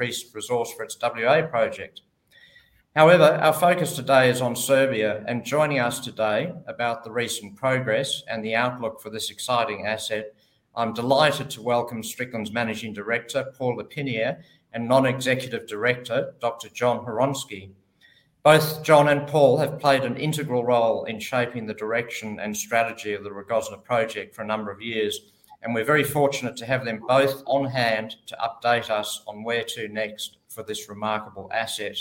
Increased resource for its WA project. However, our focus today is on Serbia, and joining us today about the recent progress and the outlook for this exciting asset, I'm delighted to welcome Strickland's Managing Director, Paul L’Herpiniere and Non-Executive Director, Dr. Jon Hronsky. Both Jon and Paul have played an integral role in shaping the direction and strategy of the Rogozna Project for a number of years, and we're very fortunate to have them both on hand to update us on where to next for this remarkable asset.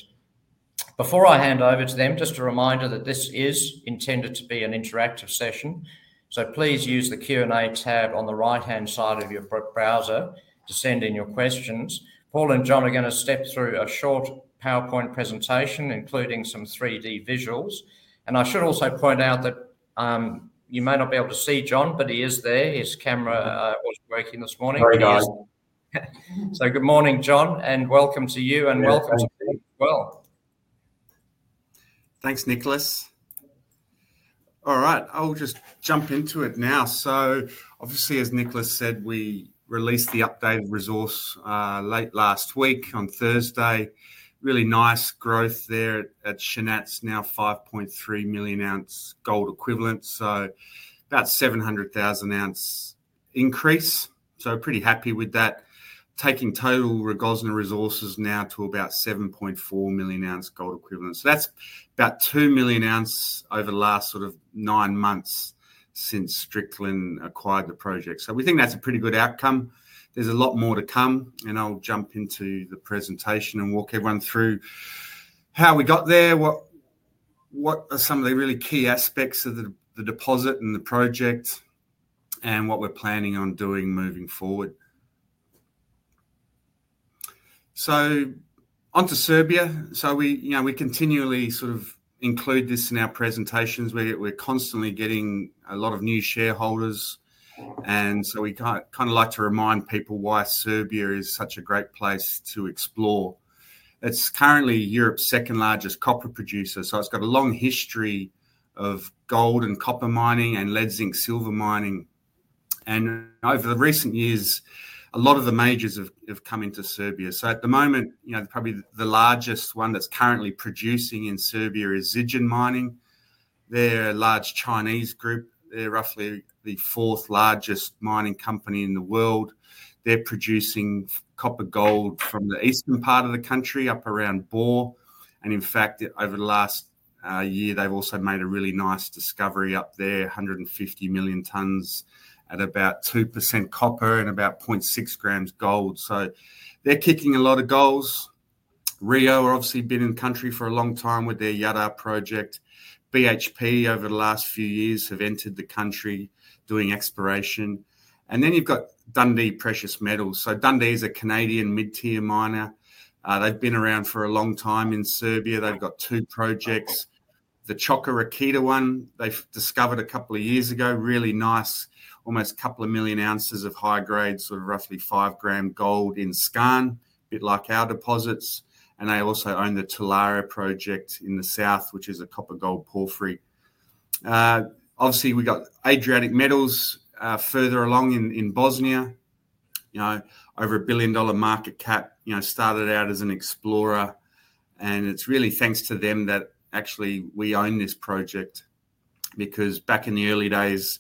Before I hand over to them, just a reminder that this is intended to be an interactive session, so please use the Q&A tab on the right-hand side of your browser to send in your questions. Paul and Jon are going to step through a short PowerPoint Presentation, including some 3D visuals. I should also point out that you may not be able to see Jon, but he is there. His camera was working this morning. Very nice. Good morning, Jon, and welcome to you, and welcome to Paul as well. Thanks, Nicholas. All right, I'll just jump into it now. Obviously, as Nicholas said, we released the updated resource late last week on Thursday. Really nice growth there at Shanac, now 5.3 million oz gold equivalent, so about 700,000 oz increase. Pretty happy with that. Taking total Rogozna resources now to about 7.4 million oz gold equivalent. That's about 2 million oz over the last sort of nine months since Strickland acquired the project. We think that's a pretty good outcome. There's a lot more to come, and I'll jump into the presentation and walk everyone through how we got there, what are some of the really key aspects of the deposit and the project, and what we're planning on doing moving forward. So, into Serbia we continually sort of include this in our presentations. We're constantly getting a lot of new shareholders, and so we kind of like to remind people why Serbia is such a great place to explore. It's currently Europe's second largest copper producer, so it's got a long history of gold and copper mining and lead zinc silver mining. Over the recent years, a lot of the majors have come into Serbia. At the moment, probably the largest one that's currently producing in Serbia is Zijin Mining. They're a large Chinese group. They're roughly the fourth largest mining company in the world. They're producing copper gold from the eastern part of the country, up around Bor. In fact, over the last year, they've also made a really nice discovery up there, 150 million tons at about 2% copper and about 0.6 g gold. They're kicking a lot of goals. Rio have obviously been in the country for a long time with their Jadar Project. BHP, over the last few years, have entered the country doing exploration. You have Dundee Precious Metals. Dundee is a Canadian mid-tier miner. They have been around for a long time in Serbia. They have two projects. The Čoka Rakita one, they discovered a couple of years ago, really nice, almost a couple of million ounces of high-grade, sort of roughly five gram gold in skarn, a bit like our deposits. They also own the Tulare project in the south, which is a copper gold porphyry. Obviously, we have Adriatic Metals further along in Bosnia, over a billion dollar market cap, started out as an explorer. It is really thanks to them that actually we own this project, because back in the early days,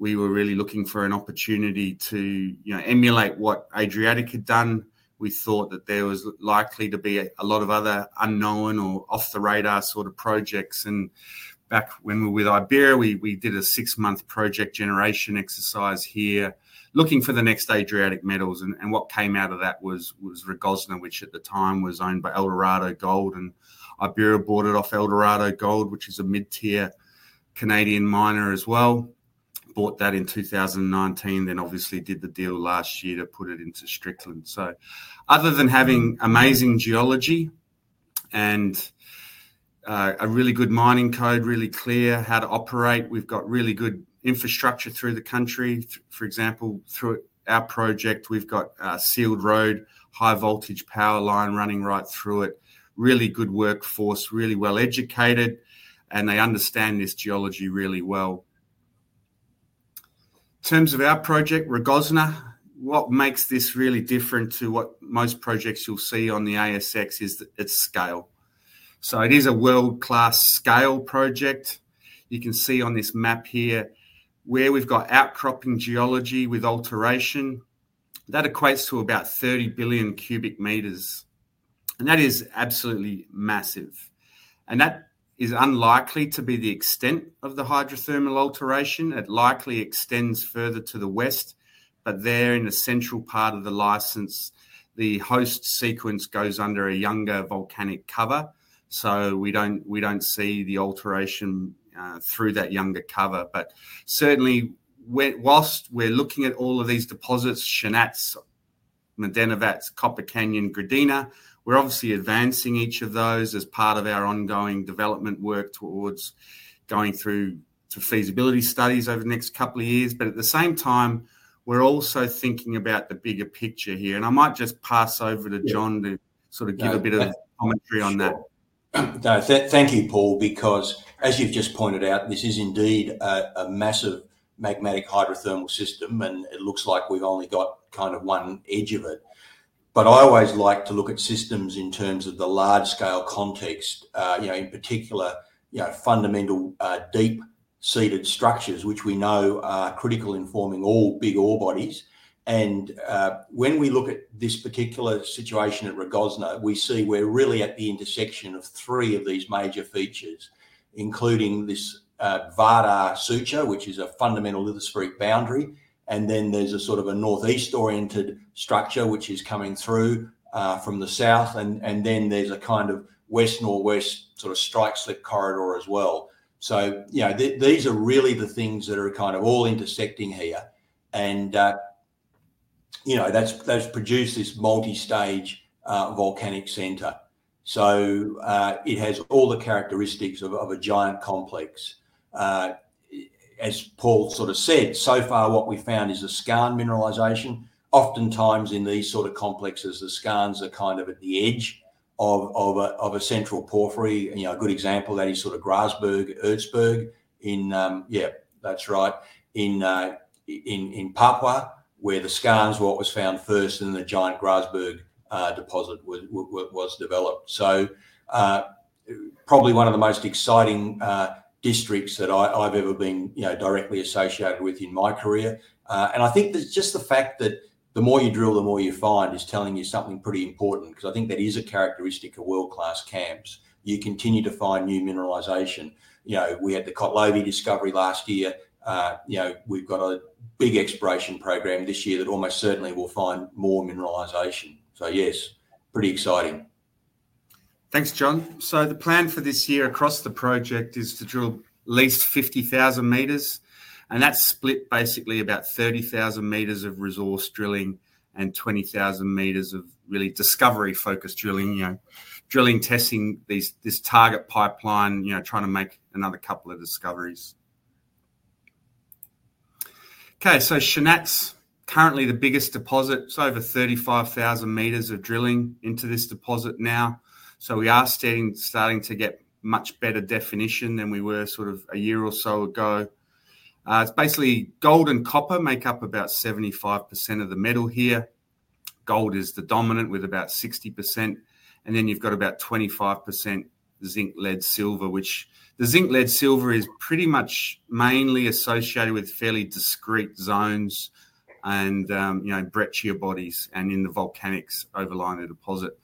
we were really looking for an opportunity to emulate what Adriatic had done. We thought that there was likely to be a lot of other unknown or off the radar sort of projects. Back when we were with Ibaera, we did a six-month project generation exercise here, looking for the next Adriatic Metals. What came out of that was Rogozna, which at the time was owned by Eldorado Gold. Ibaera bought it off Eldorado Gold, which is a mid-tier Canadian miner as well. Bought that in 2019, obviously did the deal last year to put it into Strickland. Other than having amazing geology and a really good mining code, really clear how to operate, we have really good infrastructure through the country. For example, through our project, we've got a sealed road, high voltage power line running right through it. Really good workforce, really well educated, and they understand this geology really well. In terms of our project, Rogozna, what makes this really different to what most projects you'll see on the ASX is its scale. It is a world-class scale project. You can see on this map here where we've got outcropping geology with alteration. That equates to about 30 billion cu m. That is absolutely massive. That is unlikely to be the extent of the hydrothermal alteration. It likely extends further to the west, but there in the central part of the license, the host sequence goes under a younger volcanic cover. We don't see the alteration through that younger cover. Certainly, whilst we're looking at all of these deposits, Shanac, Medenovac, Copper Canyon, Gradina, we're obviously advancing each of those as part of our ongoing development work towards going through to feasibility studies over the next couple of years. At the same time, we're also thinking about the bigger picture here. I might just pass over to Jon to sort of give a bit of commentary on that. Thank you, Paul, because as you've just pointed out, this is indeed a massive magmatic hydrothermal system, and it looks like we've only got kind of one edge of it. I always like to look at systems in terms of the large-scale context, in particular, fundamental deep-seated structures, which we know are critical in forming all big ore bodies. When we look at this particular situation at Rogozna, we see we're really at the intersection of three of these major features, including this Vardar Suture, which is a fundamental lithospheric boundary. There is a sort of a northeast-oriented structure, which is coming through from the south. There is a kind of west-northwest sort of strike-slip corridor as well. These are really the things that are kind of all intersecting here. That has produced this multi-stage volcanic center. It has all the characteristics of a giant complex. As Paul sort of said, so far what we found is a skarn mineralization. Oftentimes in these sort of complexes, the skarns are kind of at the edge of a central porphyry. A good example of that is sort of Grasberg, Ertsberg in, yeah, that's right, in Papua, where the skarns were what was found first, and then the giant Grasberg deposit was developed. Probably one of the most exciting districts that I've ever been directly associated with in my career. I think just the fact that the more you drill, the more you find is telling you something pretty important, because I think that is a characteristic of world-class camps. You continue to find new mineralization. We had the Kotlovi discovery last year. We've got a big exploration program this year that almost certainly will find more mineralization. Yes, pretty exciting. Thanks, Jon. The plan for this year across the project is to drill at least 50,000 m. That's split basically about 30,000 m of resource drilling and 20,000 m of really discovery-focused drilling, testing this target pipeline, trying to make another couple of discoveries. Okay, Shanac, currently the biggest deposit, it's over 35,000 m of drilling into this deposit now. We are starting to get much better definition than we were sort of a year or so ago. It's basically gold and copper make up about 75% of the metal here. Gold is the dominant with about 60%. Then you've got about 25% zinc lead silver, which the zinc lead silver is pretty much mainly associated with fairly discrete zones and breccia bodies and in the volcanics overlying the deposit.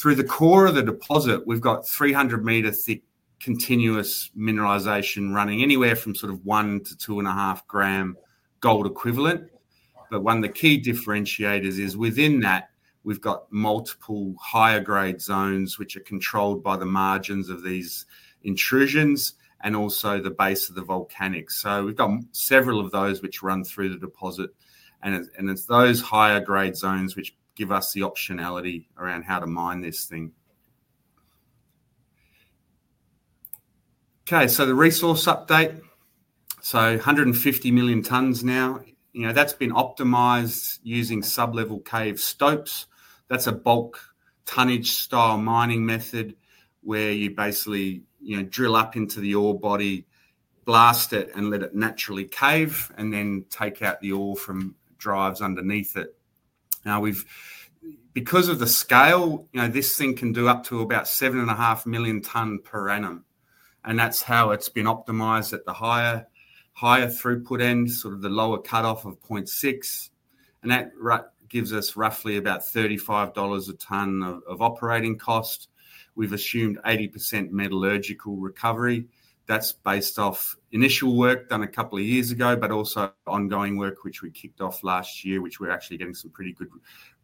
Through the core of the deposit, we've got 300-m thick continuous mineralization running anywhere from sort of one to two and a half gram gold equivalent. One of the key differentiators is within that, we've got multiple higher-grade zones, which are controlled by the margins of these intrusions and also the base of the volcanics. We've got several of those which run through the deposit. It's those higher-grade zones which give us the optionality around how to mine this thing. The resource update: 150 million tons now. That's been optimized using sub-level cave stopes. That's a bulk tonnage-style mining method where you basically drill up into the ore body, blast it, let it naturally cave, and then take out the ore from drives underneath it. Now, because of the scale, this thing can do up to about 7.5 million tons per annum. That is how it has been optimized at the higher throughput end, sort of the lower cutoff of 0.6. That gives us roughly about $35 a ton of operating cost. We have assumed 80% metallurgical recovery. That is based off initial work done a couple of years ago, but also ongoing work, which we kicked off last year, which we are actually getting some pretty good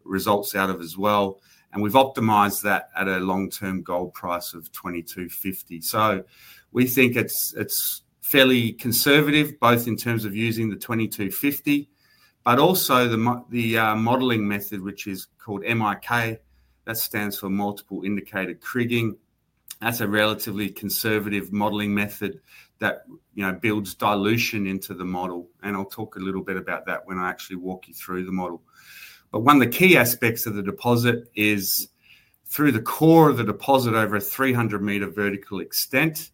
results out of as well. We have optimized that at a long-term gold price of $2,250. We think it is fairly conservative, both in terms of using the $2,250, but also the modeling method, which is called MIK. That stands for multiple indicator kriging. That is a relatively conservative modeling method that builds dilution into the model. I'll talk a little bit about that when I actually walk you through the model. One of the key aspects of the deposit is through the core of the deposit, over a 300-m vertical extent,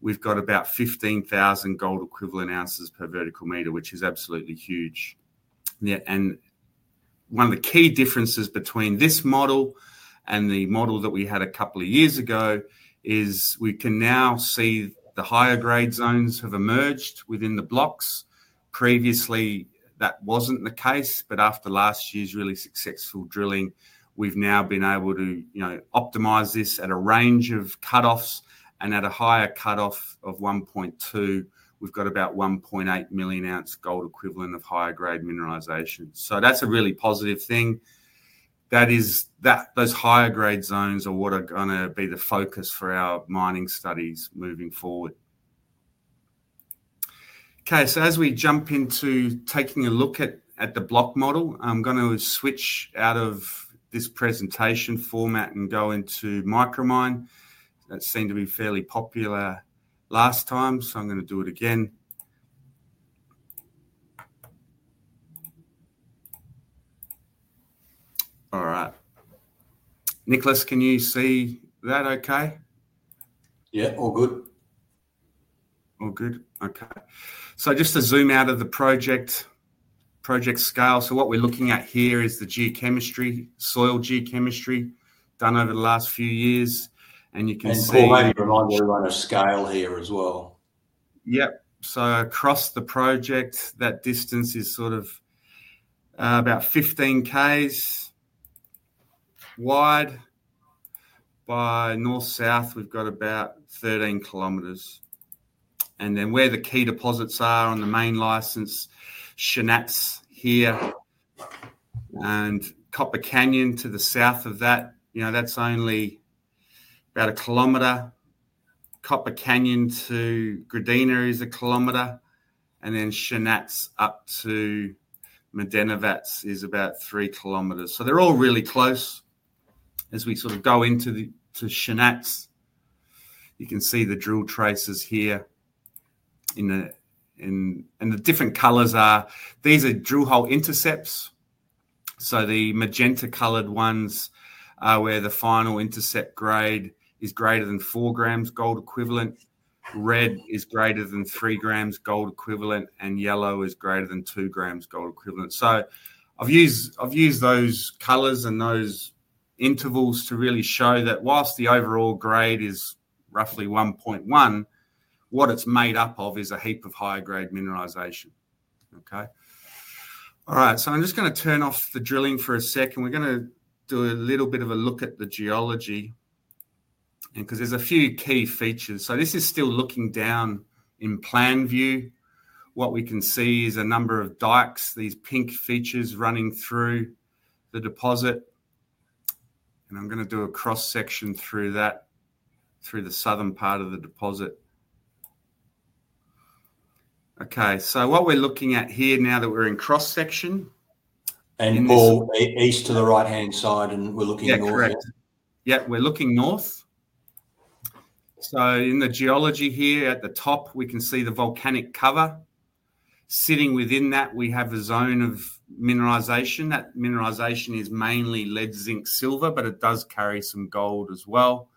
we've got about 15,000 gold equivalent oz per vertical meter, which is absolutely huge. One of the key differences between this model and the model that we had a couple of years ago is we can now see the higher-grade zones have emerged within the blocks. Previously, that wasn't the case, but after last year's really successful drilling, we've now been able to optimize this at a range of cutoffs. At a higher cutoff of 1.2, we've got about 1.8 million oz gold equivalent of higher-grade mineralization. That's a really positive thing. Those higher-grade zones are what are going to be the focus for our mining studies moving forward. Okay, as we jump into taking a look at the block model, I'm going to switch out of this presentation format and go into Micromine. That seemed to be fairly popular last time, so I'm going to do it again. All right. Nicholas, can you see that okay? Yeah, all good. All good. Okay. Just to zoom out of the project scale. What we're looking at here is the soil geochemistry done over the last few years. You can see. Paul, maybe remind everyone of scale here as well. Yep. Across the project, that distance is sort of about 15 km wide. By north-south, we've got about 13 km. Where the key deposits are on the main license, Shanac here and Copper Canyon to the south of that, that's only about 1 km. Copper Canyon to Gradina is 1 km. Shanac up to Medenovac is about 3 km. They're all really close. As we sort of go into Shanac, you can see the drill traces here. The different colors are these drill hole intercepts. The magenta-colored ones are where the final intercept grade is greater than 4 grams gold equivalent. Red is greater than 3 g gold equivalent, and yellow is greater than 2 g gold equivalent. I've used those colors and those intervals to really show that whilst the overall grade is roughly 1.1, what it's made up of is a heap of higher-grade mineralization. Okay. All right. I'm just going to turn off the drilling for a second. We're going to do a little bit of a look at the geology because there's a few key features. This is still looking down in plan view. What we can see is a number of dikes, these pink features running through the deposit. I'm going to do a cross-section through that, through the southern part of the deposit. What we're looking at here now that we're in cross-section. Paul, east to the right-hand side, and we're looking north. That's correct. Yep, we're looking north. In the geology here at the top, we can see the volcanic cover. Sitting within that, we have a zone of mineralization. That mineralization is mainly lead, zinc, silver, but it does carry some gold as well.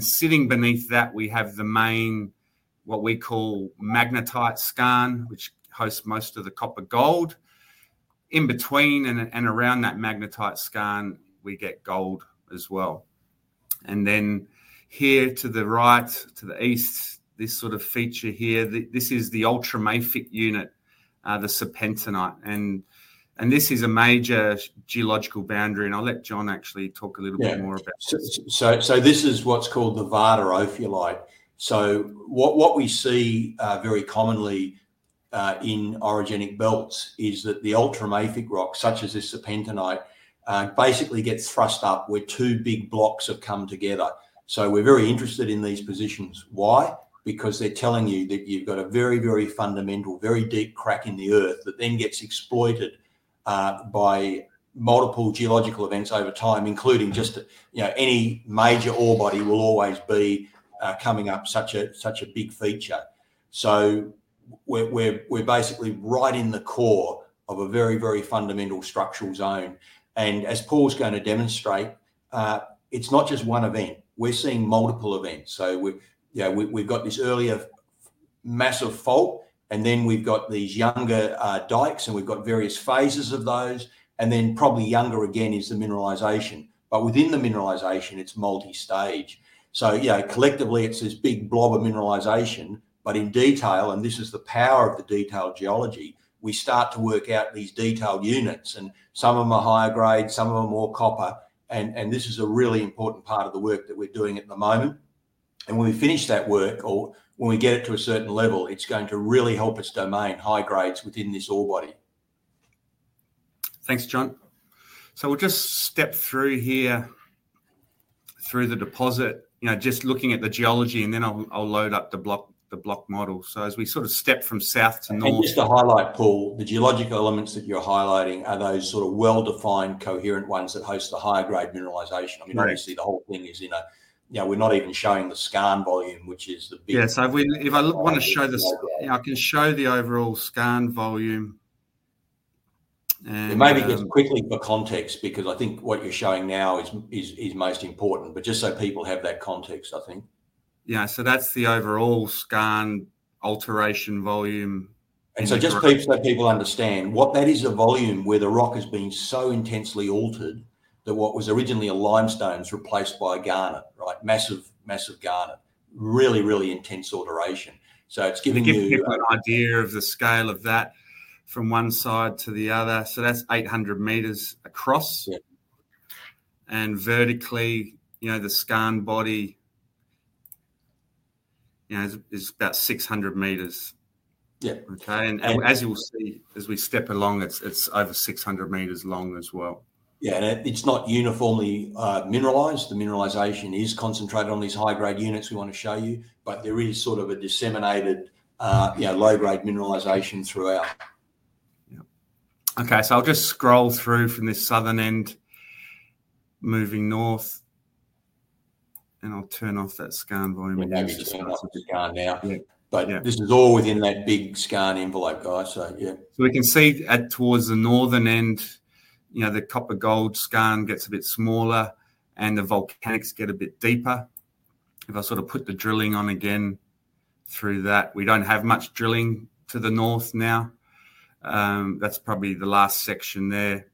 Sitting beneath that, we have the main what we call magnetite skarn, which hosts most of the copper gold. In between and around that magnetite skarn, we get gold as well. Here to the right, to the east, this sort of feature here, this is the ultramafic unit, the serpentinite. This is a major geological boundary. I'll let Jon actually talk a little bit more about this. This is what's called the Vardar Ophiolite. What we see very commonly in orogenic belts is that the ultramafic rock, such as this serpentinite, basically gets thrust up where two big blocks have come together. We are very interested in these positions. Why? Because they are telling you that you have got a very, very fundamental, very deep crack in the earth that then gets exploited by multiple geological events over time, including just any major ore body will always be coming up such a big feature. We are basically right in the core of a very, very fundamental structural zone. As Paul's going to demonstrate, it is not just one event. We are seeing multiple events. We have got this earlier massive fault, and then we have got these younger dikes, and we have got various phases of those. Probably younger again is the mineralization. Within the mineralization, it's multi-stage. Collectively, it's this big blob of mineralization. In detail, and this is the power of the detailed geology, we start to work out these detailed units. Some of them are higher grade, some of them are more copper. This is a really important part of the work that we're doing at the moment. When we finish that work, or when we get it to a certain level, it's going to really help us domain high grades within this ore body. Thanks, Jon. We will just step through here through the deposit, just looking at the geology, and then I will load up the block model. As we sort of step from south to north. Just to highlight, Paul, the geological elements that you're highlighting are those sort of well-defined, coherent ones that host the higher-grade mineralization. I mean, obviously, the whole thing is in a—we're not even showing the skarn volume, which is the big. Yeah. If I want to show this, I can show the overall scan volume. Maybe just quickly for context, because I think what you're showing now is most important, but just so people have that context, I think. Yeah. So that's the overall skarn alteration volume. Just so people understand, what that is is a volume where the rock has been so intensely altered that what was originally a limestone is replaced by a garnet, right? Massive garnet, really, really intense alteration. So it is giving you. It gives you an idea of the scale of that from one side to the other. That's 800 m across. Vertically, the skarn body is about 600 m. Yeah. Okay. As you'll see, as we step along, it's over 600 m long as well. Yeah. It is not uniformly mineralized. The mineralization is concentrated on these high-grade units we want to show you, but there is sort of a disseminated low-grade mineralization throughout. Yeah. Okay. I'll just scroll through from this southern end, moving north, and I'll turn off that scan volume. That's the scan now. This is all within that big scan envelope, guys. Yeah. We can see towards the northern end, the copper-gold skarn gets a bit smaller, and the volcanics get a bit deeper. If I sort of put the drilling on again through that, we do not have much drilling to the north now. That is probably the last section there.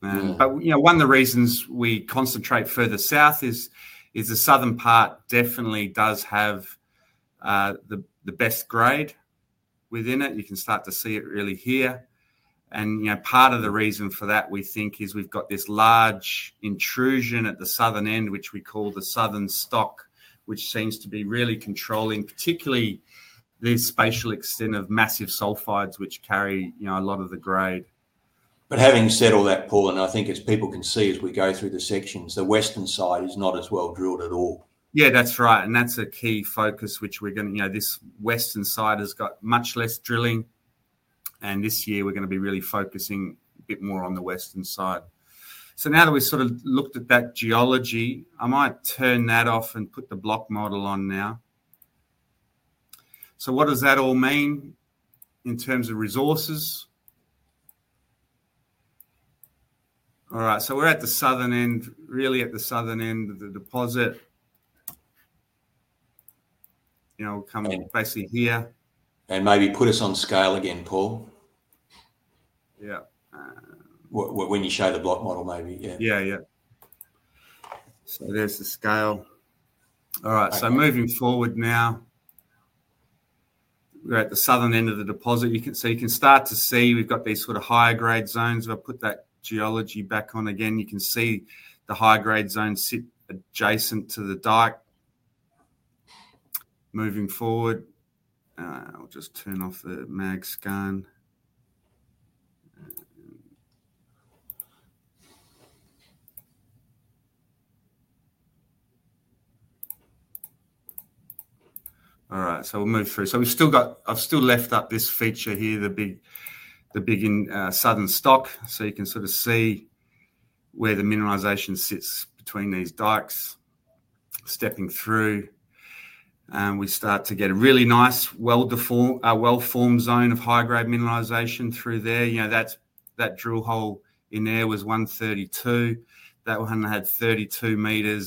One of the reasons we concentrate further south is the southern part definitely does have the best grade within it. You can start to see it really here. Part of the reason for that, we think, is we have this large intrusion at the southern end, which we call the southern stock, which seems to be really controlling, particularly this spatial extent of massive sulfides, which carry a lot of the grade. Having said all that, Paul, and I think as people can see as we go through the sections, the western side is not as well drilled at all. Yeah, that's right. That's a key focus, which we're going to. This western side has got much less drilling. This year, we're going to be really focusing a bit more on the western side. Now that we've sort of looked at that geology, I might turn that off and put the block model on now. What does that all mean in terms of resources? All right. We're at the southern end, really at the southern end of the deposit. We'll come basically here. Maybe put us on scale again, Paul. Yeah. When you show the block model, maybe. Yeah. Yeah, yeah. There is the scale. All right. Moving forward now, we're at the southern end of the deposit. You can start to see we've got these sort of higher-grade zones. If I put that geology back on again, you can see the high-grade zones sit adjacent to the dike. Moving forward, I'll just turn off the mag scan. All right. We'll move through. I've still left up this feature here, the big southern stock. You can sort of see where the mineralization sits between these dikes. Stepping through, we start to get a really nice well-formed zone of high-grade mineralization through there. That drill hole in there was 132. That one had 32 m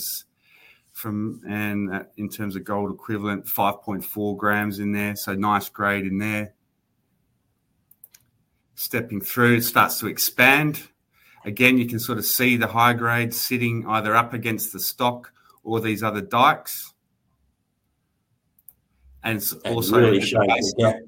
from, and in terms of gold equivalent, 5.4 g in there. Nice grade in there. Stepping through, it starts to expand. Again, you can sort of see the high grade sitting either up against the stock or these other dikes. Also. It really shows that.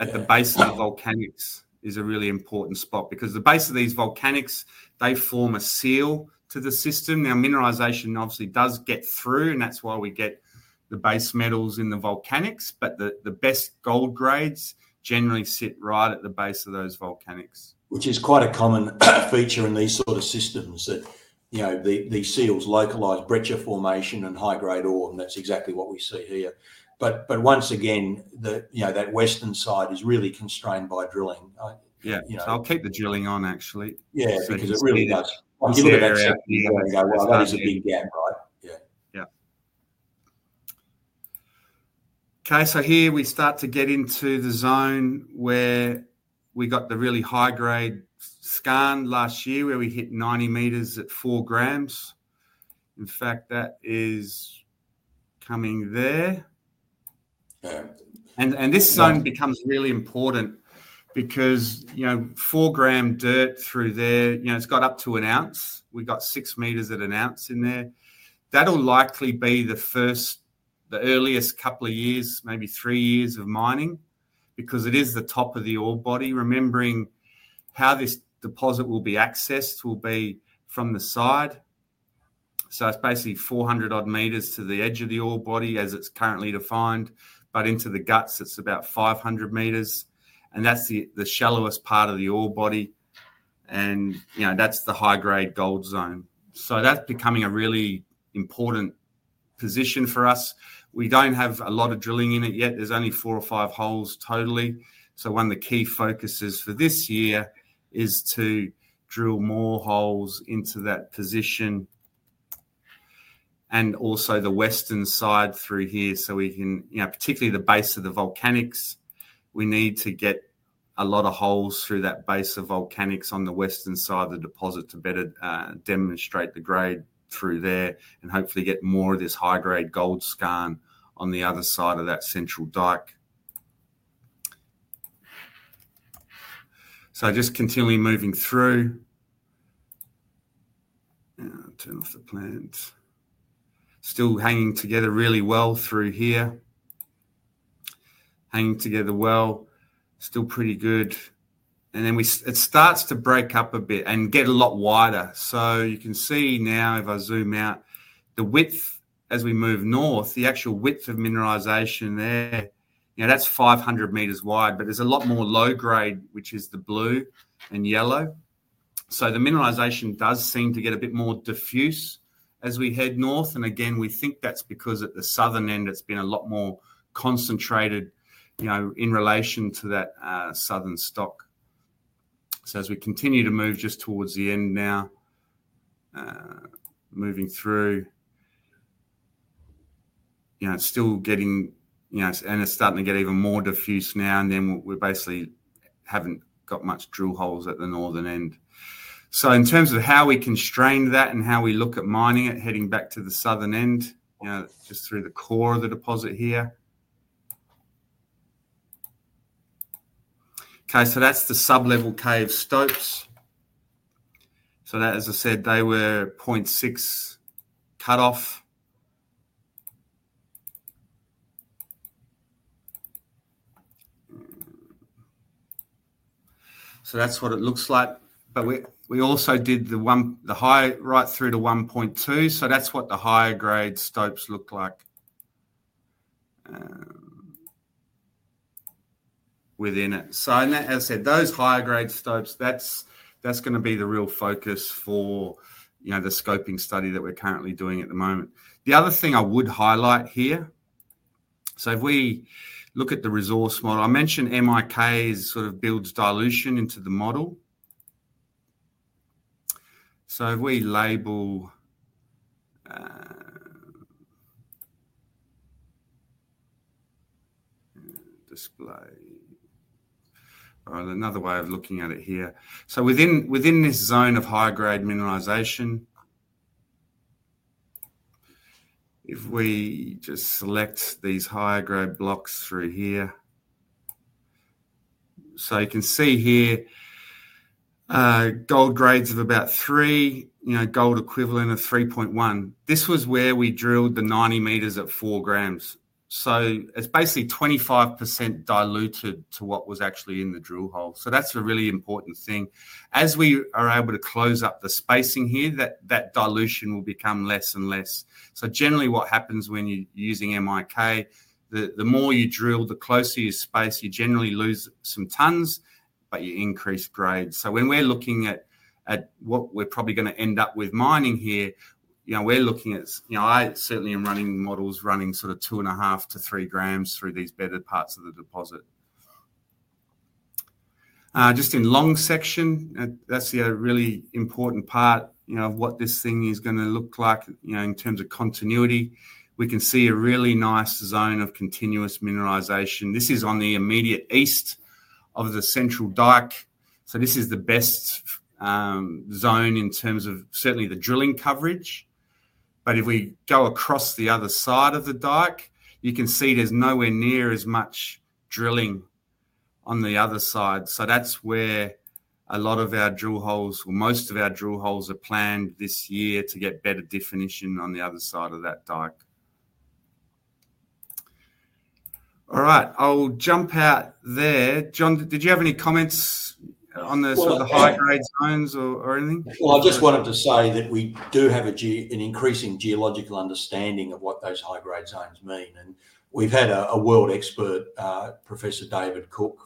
At the base of the volcanics is a really important spot because the base of these volcanics, they form a seal to the system. Now, mineralization obviously does get through, and that's why we get the base metals in the volcanics. The best gold grades generally sit right at the base of those volcanics. Which is quite a common feature in these sort of systems, that these seals localize breach of formation and high-grade ore. That's exactly what we see here. Once again, that western side is really constrained by drilling. Yeah. I'll keep the drilling on, actually. Yeah, because it really does. Give it an extra few. There you go. That is a big gap, right? Yeah. Yeah. Okay. Here we start to get into the zone where we got the really high-grade skarn last year, where we hit 90 m at 4 g. In fact, that is coming there. This zone becomes really important because 4-g dirt through there, it's got up to an oz. We've got 6 m at an ounce in there. That'll likely be the earliest couple of years, maybe three years of mining, because it is the top of the ore body. Remembering how this deposit will be accessed will be from the side. It's basically 400-odd m to the edge of the ore body, as it's currently defined. Into the guts, it's about 500 m. That's the shallowest part of the ore body. That's the high-grade gold zone. That's becoming a really important position for us. We don't have a lot of drilling in it yet. There's only four or five holes total. One of the key focuses for this year is to drill more holes into that position and also the western side through here so we can particularly the base of the volcanics. We need to get a lot of holes through that base of volcanics on the western side of the deposit to better demonstrate the grade through there and hopefully get more of this high-grade gold skarn on the other side of that central dike. Just continually moving through. Still hanging together really well through here. Hanging together well. Still pretty good. It starts to break up a bit and get a lot wider. You can see now, if I zoom out, the width as we move north, the actual width of mineralization there, that's 500 m wide. There is a lot more low grade, which is the blue and yellow. The mineralization does seem to get a bit more diffuse as we head north. We think that's because at the southern end, it has been a lot more concentrated in relation to that southern stock. As we continue to move just towards the end now, moving through, it's still getting and it's starting to get even more diffuse now. We basically have not got much drill holes at the northern end. In terms of how we constrain that and how we look at mining it, heading back to the southern end, just through the core of the deposit here. Okay. That is the sub-level cave stopes. That, as I said, they were 0.6 cut off. That is what it looks like. We also did the high right through to 1.2. That is what the higher-grade stopes look like within it. As I said, those higher-grade stopes, that is going to be the real focus for the scoping study that we are currently doing at the moment. The other thing I would highlight here, if we look at the resource model, I mentioned MIK sort of builds dilution into the model. If we label display, another way of looking at it here. Within this zone of high-grade mineralization, if we just select these higher-grade blocks through here, you can see here gold grades of about three, gold equivalent of 3.1. This was where we drilled the 90 m at 4 g. It's basically 25% diluted to what was actually in the drill hole. That's a really important thing. As we are able to close up the spacing here, that dilution will become less and less. Generally, what happens when you're using MIK, the more you drill, the closer you space, you generally lose some tons, but you increase grade. When we're looking at what we're probably going to end up with mining here, I certainly am running models running sort of 2.5 g-3 g through these better parts of the deposit. Just in long section, that's the really important part of what this thing is going to look like in terms of continuity. We can see a really nice zone of continuous mineralization. This is on the immediate east of the central dike. This is the best zone in terms of certainly the drilling coverage. If we go across the other side of the dike, you can see there's nowhere near as much drilling on the other side. That's where a lot of our drill holes, or most of our drill holes, are planned this year to get better definition on the other side of that dike. All right. I'll jump out there. Jon, did you have any comments on the sort of the high-grade zones or anything? I just wanted to say that we do have an increasing geological understanding of what those high-grade zones mean. We've had a world expert, Professor David Cooke,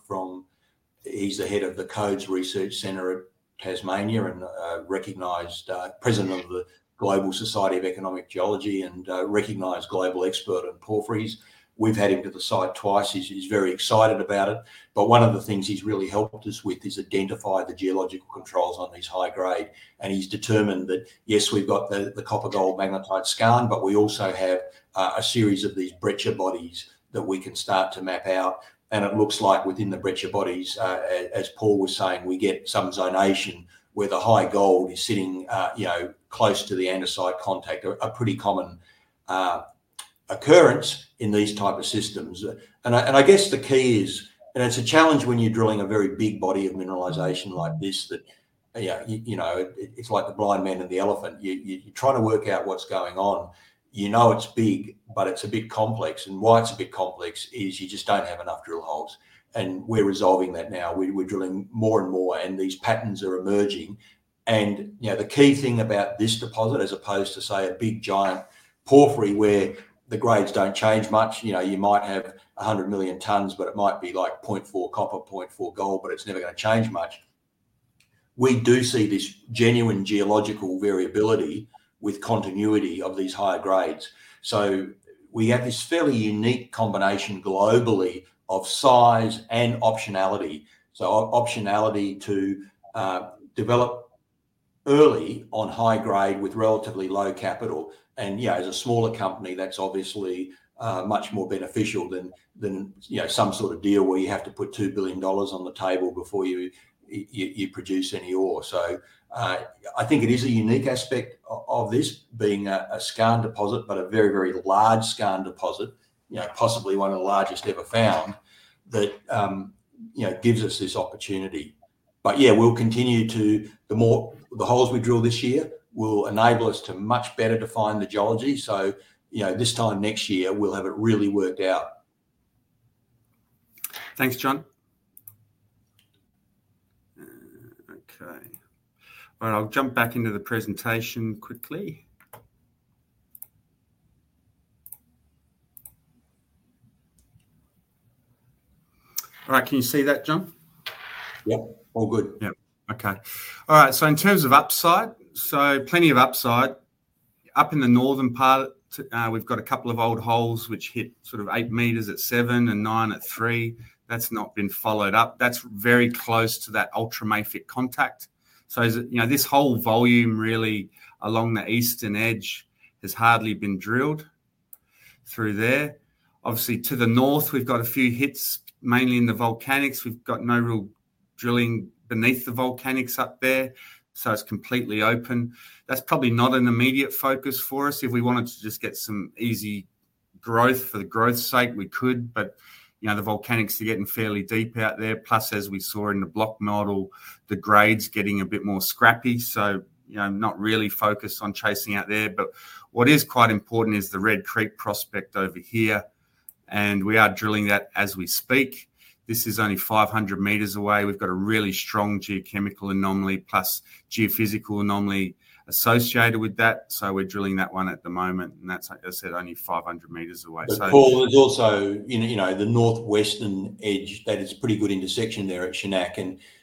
he's the head of the CODES Research Centre at Tasmania and a recognized president of the Global Society of Economic Geology and recognized global expert in porphyries. We've had him to the site twice. He's very excited about it. One of the things he's really helped us with is identify the geological controls on these high-grade. He's determined that, yes, we've got the copper-gold magnetite skarn, but we also have a series of these breccia bodies that we can start to map out. It looks like within the breccia bodies, as Paul was saying, we get some zonation where the high gold is sitting close to the andesite contact, a pretty common occurrence in these type of systems. I guess the key is, and it's a challenge when you're drilling a very big body of mineralization like this, that it's like the blind man and the elephant. You're trying to work out what's going on. You know it's big, but it's a bit complex. Why it's a bit complex is you just don't have enough drill holes. We're resolving that now. We're drilling more and more, and these patterns are emerging. The key thing about this deposit, as opposed to, say, a big giant porphyry where the grades do not change much, you might have 100 million tons, but it might be like 0.4 copper, 0.4 gold, but it is never going to change much. We do see this genuine geological variability with continuity of these higher grades. We have this fairly unique combination globally of size and optionality. Optionality to develop early on high grade with relatively low capital. As a smaller company, that is obviously much more beneficial than some sort of deal where you have to put $2 billion on the table before you produce any ore. I think it is a unique aspect of this being a skarn deposit, but a very, very large skarn deposit, possibly one of the largest ever found, that gives us this opportunity. Yeah, we'll continue to, the holes we drill this year will enable us to much better define the geology. This time next year, we'll have it really worked out. Thanks, Jon. Okay. All right. I'll jump back into the presentation quickly. All right. Can you see that, Jon? Yep. All good. Yeah. Okay. All right. In terms of upside, plenty of upside. Up in the northern part, we've got a couple of old holes which hit sort of eight m at seven and nine at three. That's not been followed up. That's very close to that ultramafic contact. This whole volume really along the eastern edge has hardly been drilled through there. Obviously, to the north, we've got a few hits, mainly in the volcanics. We've got no real drilling beneath the volcanics up there. It's completely open. That's probably not an immediate focus for us. If we wanted to just get some easy growth for growth's sake, we could. The volcanics are getting fairly deep out there. Plus, as we saw in the block model, the grade's getting a bit more scrappy. Not really focused on chasing out there. What is quite important is the Red Creek prospect over here. We are drilling that as we speak. This is only 500 m away. We have got a really strong geochemical anomaly, plus geophysical anomaly associated with that. We are drilling that one at the moment. That is, like I said, only 500 m away. Paul, there's also the northwestern edge that is pretty good intersection there at Shanac.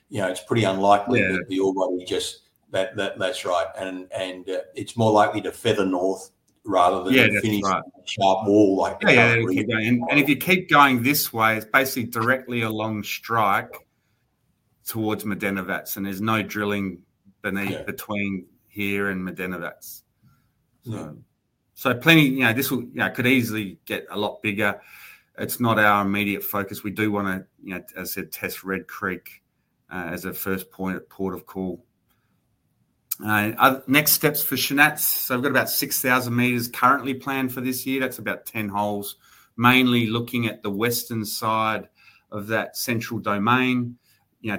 It's pretty unlikely that the ore body just that's right. It's more likely to feather north rather than finish a sharp wall like the current region. Yeah. Yeah. If you keep going this way, it's basically directly along strike towards Medenovac. There's no drilling between here and Medenovac. This could easily get a lot bigger. It's not our immediate focus. We do want to, as I said, test Red Creek as a first point of call. Next steps for Shanac. We've got about 6,000 m currently planned for this year. That's about 10 holes, mainly looking at the western side of that central domain,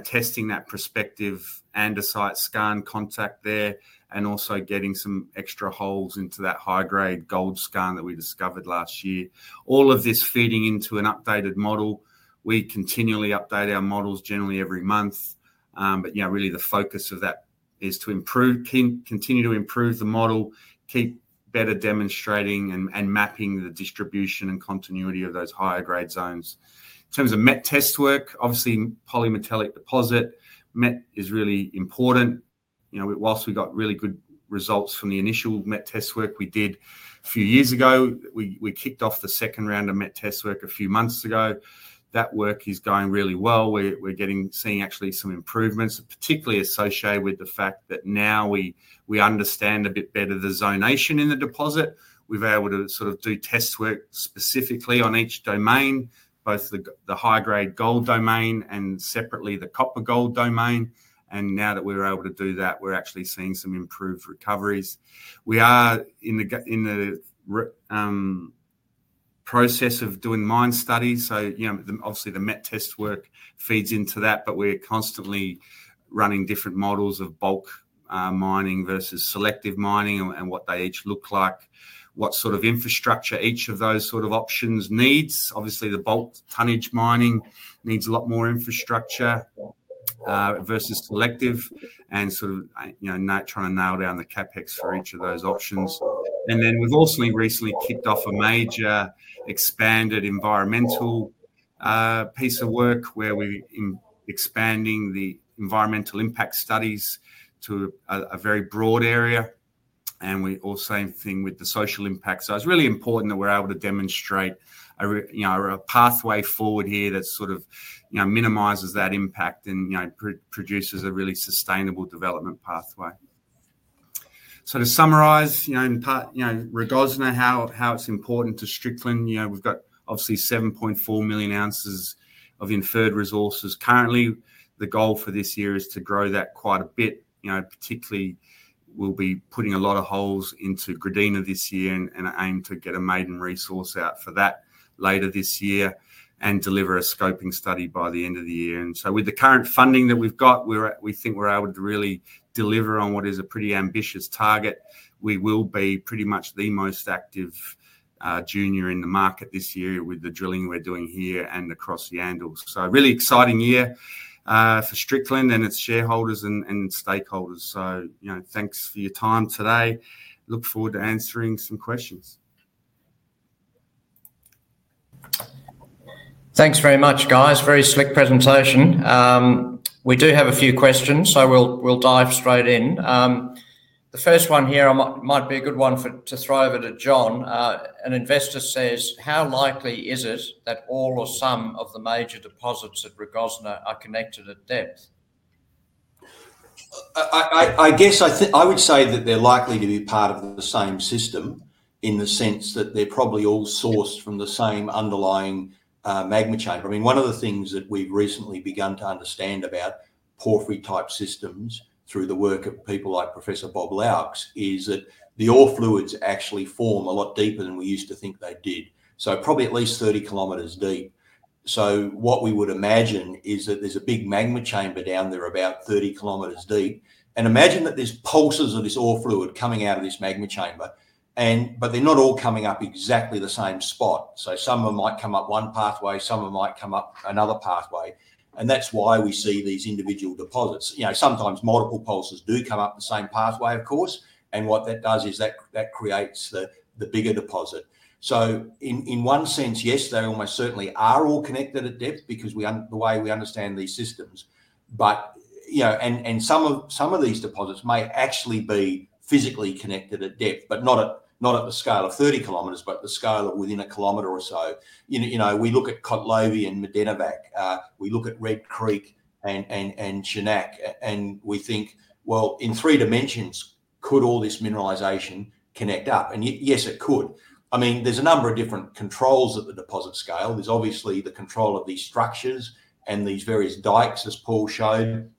testing that prospective andesite skarn contact there, and also getting some extra holes into that high-grade gold skarn that we discovered last year. All of this feeding into an updated model. We continually update our models generally every month. The focus of that is to continue to improve the model, keep better demonstrating, and mapping the distribution and continuity of those higher-grade zones. In terms of met test work, obviously, polymetallic deposit, met is really important. Whilst we got really good results from the initial met test work we did a few years ago, we kicked off the second round of met test work a few months ago. That work is going really well. We're seeing actually some improvements, particularly associated with the fact that now we understand a bit better the zonation in the deposit. We've been able to sort of do test work specifically on each domain, both the high-grade gold domain and separately the copper-gold domain. Now that we're able to do that, we're actually seeing some improved recoveries. We are in the process of doing mine studies. Obviously, the met test work feeds into that, but we're constantly running different models of bulk mining versus selective mining and what they each look like, what sort of infrastructure each of those sort of options needs. Obviously, the bulk tonnage mining needs a lot more infrastructure versus selective, and sort of trying to nail down the CapEx for each of those options. We have also recently kicked off a major expanded environmental piece of work where we're expanding the environmental impact studies to a very broad area. We're all saying the same thing with the social impact. It is really important that we're able to demonstrate a pathway forward here that sort of minimizes that impact and produces a really sustainable development pathway. To summarize, in part, Rogozna, how it's important to Strickland, we've got obviously 7.4 million oz of inferred resources currently. The goal for this year is to grow that quite a bit, particularly we'll be putting a lot of holes into Gradina this year and aim to get a maiden resource out for that later this year and deliver a scoping study by the end of the year. With the current funding that we've got, we think we're able to really deliver on what is a pretty ambitious target. We will be pretty much the most active junior in the market this year with the drilling we're doing here and across the Yandal. Really exciting year for Strickland and its shareholders and stakeholders. Thanks for your time today. Look forward to answering some questions. Thanks very much, guys. Very slick presentation. We do have a few questions, so we'll dive straight in. The first one here might be a good one to throw over to Jon. How likely is it that all or some of the major deposits at Rogozna are connected at depth? I guess I would say that they're likely to be part of the same system in the sense that they're probably all sourced from the same underlying magma chamber. I mean, one of the things that we've recently begun to understand about porphyry-type systems through the work of people like Professor Bob Loucks is that the ore fluids actually form a lot deeper than we used to think they did, so probably at least 30 km deep. What we would imagine is that there's a big magma chamber down there about 30 km deep. Imagine that there's pulses of this ore fluid coming out of this magma chamber, but they're not all coming up exactly the same spot. Some of them might come up one pathway. Some of them might come up another pathway. That's why we see these individual deposits. Sometimes multiple pulses do come up the same pathway, of course. What that does is that creates the bigger deposit. In one sense, yes, they almost certainly are all connected at depth because the way we understand these systems. Some of these deposits may actually be physically connected at depth, but not at the scale of 30 km, at the scale of within a kilometer or so. We look at Kotlovi and Medenovac. We look at Red Creek and Shanac. We think, "In three dimensions, could all this mineralization connect up?" Yes, it could. I mean, there are a number of different controls at the deposit scale. There is obviously the control of these structures and these various dikes, as Paul showed.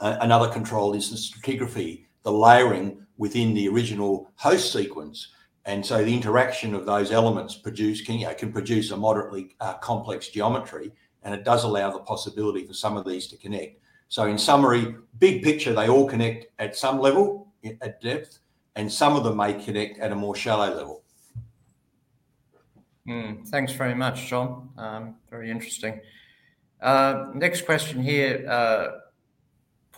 Another control is the stratigraphy, the layering within the original host sequence. The interaction of those elements can produce a moderately complex geometry. It does allow the possibility for some of these to connect. In summary, big picture, they all connect at some level at depth, and some of them may connect at a more shallow level. Thanks very much, Jon. Very interesting. Next question here.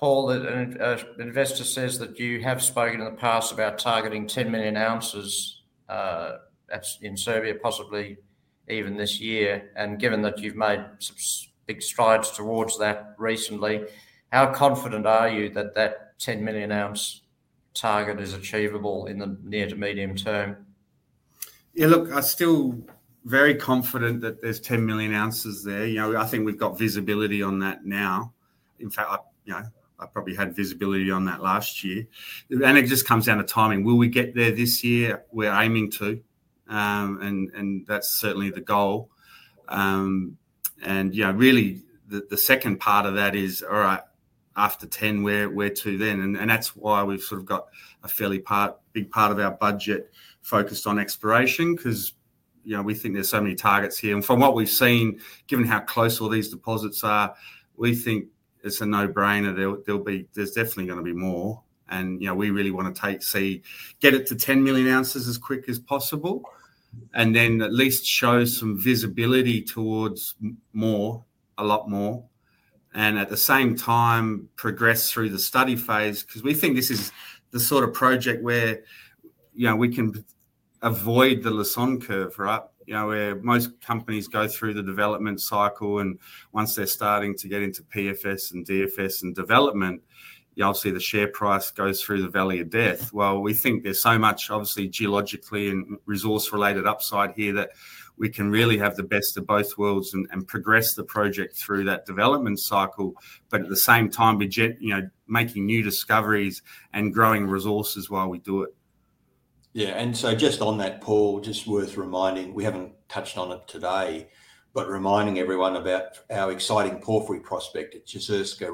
Paul, an investor says that you have spoken in the past about targeting 10 million oz in Serbia, possibly even this year. Given that you've made big strides towards that recently, how confident are you that that 10 million oz target is achievable in the near to medium term? Yeah. Look, I'm still very confident that there's 10 million oz there. I think we've got visibility on that now. In fact, I probably had visibility on that last year. It just comes down to timing. Will we get there this year? We're aiming to. That's certainly the goal. Really, the second part of that is, "All right, after 10, where to then?" That's why we've sort of got a fairly big part of our budget focused on exploration because we think there's so many targets here. From what we've seen, given how close all these deposits are, we think it's a no-brainer. There's definitely going to be more. We really want to see get it to 10 million oz as quick as possible and then at least show some visibility towards more, a lot more, and at the same time progress through the study phase because we think this is the sort of project where we can avoid the Lassonde curve, right, where most companies go through the development cycle. Once they're starting to get into PFS and DFS and development, obviously, the share price goes through the valley of death. We think there's so much, obviously, geologically and resource-related upside here that we can really have the best of both worlds and progress the project through that development cycle, but at the same time, we're making new discoveries and growing resources while we do it. Yeah. Just on that, Paul, just worth reminding, we haven't touched on it today, but reminding everyone about our exciting porphyry prospect at Jezerska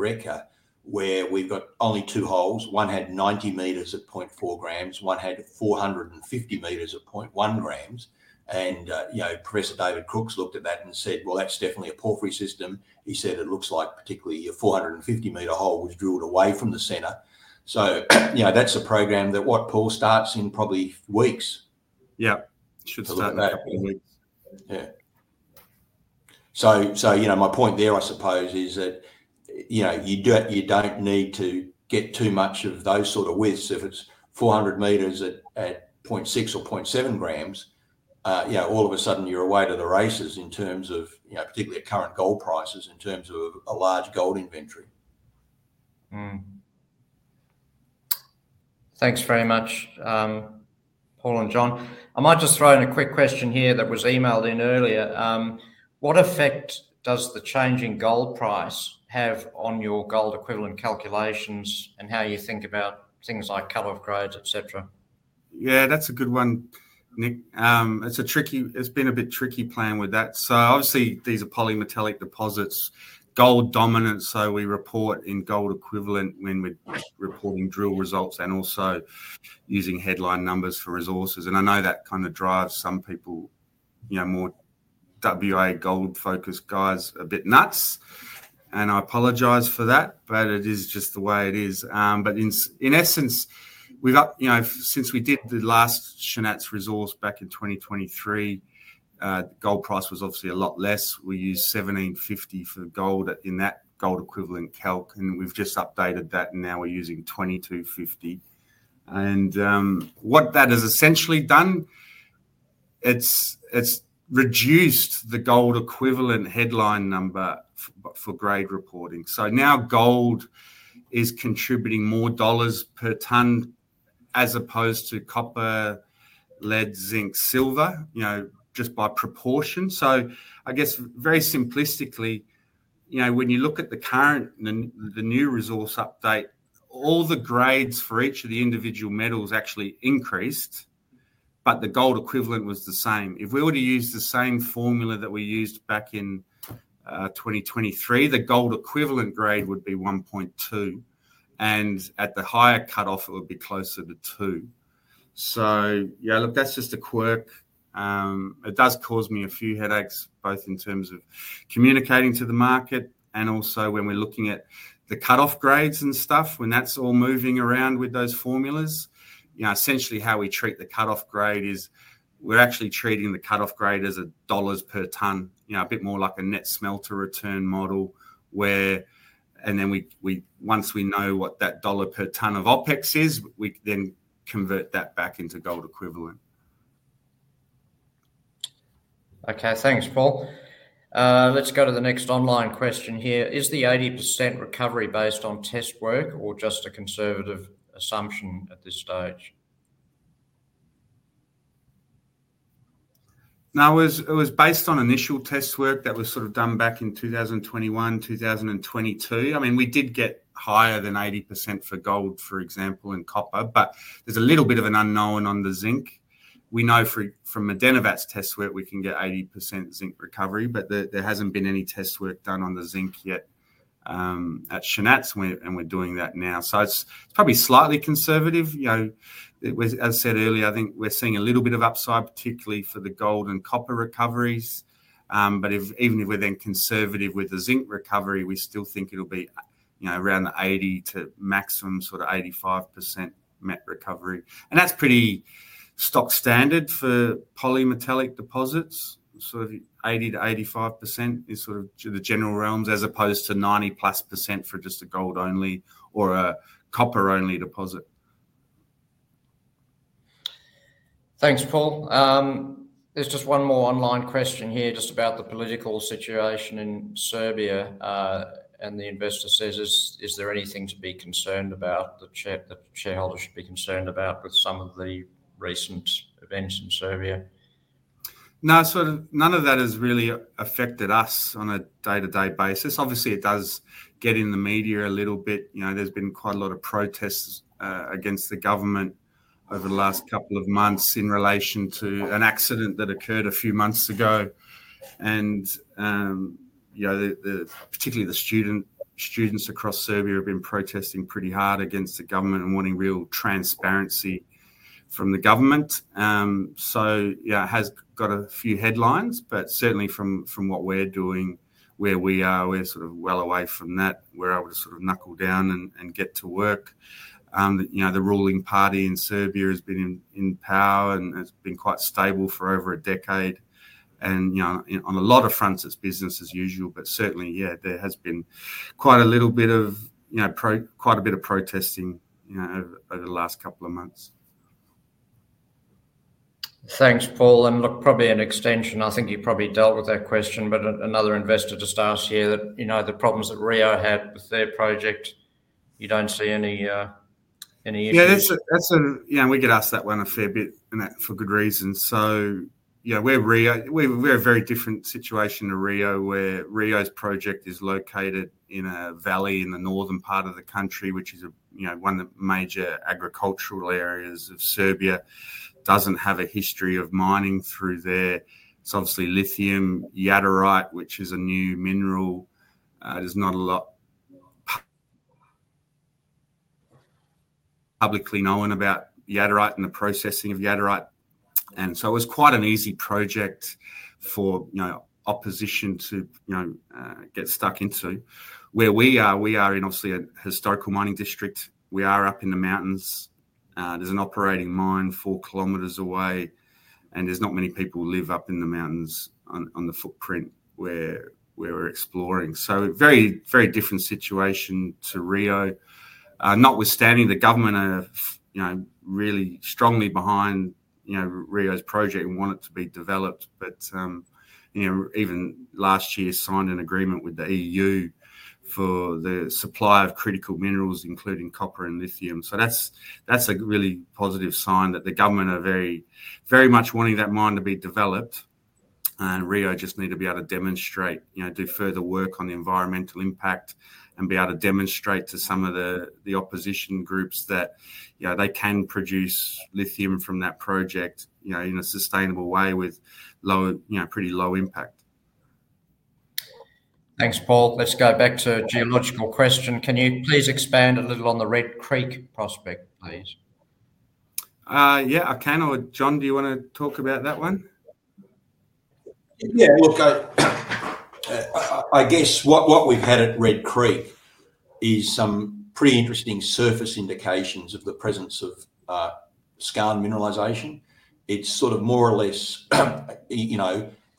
Reka, Yeah. Should start in a couple of weeks. Yeah. My point there, I suppose, is that you do not need to get too much of those sort of widths. If it is 400 m at 0.6 or 0.7 g, all of a sudden, you are away to the races in terms of particularly at current gold prices in terms of a large gold inventory. Thanks very much, Paul and Jon. I might just throw in a quick question here that was emailed in earlier. What effect does the changing gold price have on your gold equivalent calculations and how you think about things like cut-off grades, etc.? Yeah. That's a good one, Nick. It's been a bit tricky playing with that. Obviously, these are polymetallic deposits, gold dominant. We report in gold equivalent when we're reporting drill results and also using headline numbers for resources. I know that kind of drives some people, more WA gold-focused guys, a bit nuts. I apologize for that, but it is just the way it is. In essence, since we did the last Shanac resource back in 2023, the gold price was obviously a lot less. We used $1,750 for gold in that gold equivalent calc. We've just updated that, and now we're using $2,250. What that has essentially done, it's reduced the gold equivalent headline number for grade reporting. Now gold is contributing more dollars per ton as opposed to copper, lead, zinc, silver, just by proportion. I guess very simplistically, when you look at the current and the new resource update, all the grades for each of the individual metals actually increased, but the gold equivalent was the same. If we were to use the same formula that we used back in 2023, the gold equivalent grade would be 1.2. At the higher cut-off, it would be closer to two. Yeah, look, that's just a quirk. It does cause me a few headaches, both in terms of communicating to the market and also when we're looking at the cut-off grades and stuff. When that's all moving around with those formulas, essentially how we treat the cut-off grade is we're actually treating the cut-off grade as dollars per ton, a bit more like a net smelter return model, where once we know what that dollar per ton of OpEx is, we then convert that back into gold equivalent. Okay. Thanks, Paul. Let's go to the next online question here. Is the 80% recovery based on test work or just a conservative assumption at this stage? No, it was based on initial test work that was sort of done back in 2021, 2022. I mean, we did get higher than 80% for gold, for example, and copper, but there's a little bit of an unknown on the zinc. We know from Medenovac's test work we can get 80% zinc recovery, but there hasn't been any test work done on the zinc yet at Shanac, and we're doing that now. It is probably slightly conservative. As I said earlier, I think we're seeing a little bit of upside, particularly for the gold and copper recoveries. Even if we're then conservative with the zinc recovery, we still think it'll be around the 80-maximum sort of 85% met recovery. That is pretty stock standard for polymetallic deposits. Eighty to 85% is sort of the general realms as opposed to 90+ % for just a gold-only or a copper-only deposit. Thanks, Paul. There's just one more online question here just about the political situation in Serbia. The investor says, "Is there anything to be concerned about that the shareholders should be concerned about with some of the recent events in Serbia? No, sort of none of that has really affected us on a day-to-day basis. Obviously, it does get in the media a little bit. There's been quite a lot of protests against the government over the last couple of months in relation to an accident that occurred a few months ago. Particularly the students across Serbia have been protesting pretty hard against the government and wanting real transparency from the government. It has got a few headlines, but certainly from what we're doing, where we are, we're sort of well away from that. We're able to sort of knuckle down and get to work. The ruling party in Serbia has been in power and has been quite stable for over a decade. On a lot of fronts, it's business as usual. Certainly, yeah, there has been quite a bit of protesting over the last couple of months. Thanks, Paul. Look, probably an extension, I think you probably dealt with that question, but another investor just asked here that the problems that Rio had with their project, you do not see any issues? Yeah. We get asked that one a fair bit for good reason. We are a very different situation to Rio where Rio's project is located in a valley in the northern part of the country, which is one of the major agricultural areas of Serbia. It does not have a history of mining through there. It is obviously lithium jadarite, which is a new mineral. There is not a lot publicly known about jadarite and the processing of jadarite. It was quite an easy project for opposition to get stuck into. Where we are, we are in obviously a historical mining district. We are up in the mountains. There is an operating mine 4 km away. There are not many people who live up in the mountains on the footprint where we are exploring. Very different situation to Rio. Notwithstanding, the government are really strongly behind Rio's project and want it to be developed. Even last year, signed an agreement with the EU for the supply of critical minerals, including copper and lithium. That is a really positive sign that the government are very much wanting that mine to be developed. Rio just need to be able to demonstrate, do further work on the environmental impact and be able to demonstrate to some of the opposition groups that they can produce lithium from that project in a sustainable way with pretty low impact. Thanks, Paul. Let's go back to a geological question. Can you please expand a little on the Red Creek prospect, please? Yeah, I can. Jon, do you want to talk about that one? Yeah. Look, I guess what we've had at Red Creek is some pretty interesting surface indications of the presence of skarn mineralization. It's sort of more or less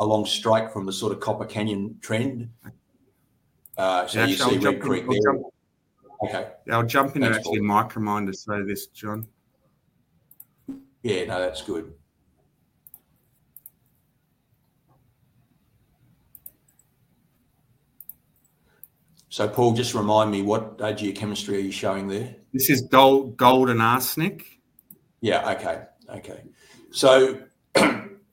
along strike from the sort of Copper Canyon trend. You see Red Creek there. Yeah. I'll jump in actually. Mic reminders though this, Jon. Yeah. No, that's good. Paul, just remind me, what geochemistry are you showing there? This is gold and arsenic. Yeah. Okay. Okay.